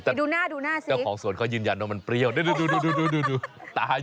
ไม่ใช่เขาถามว่ามะนาวในนี้เปรี้ยวหรือเปล่า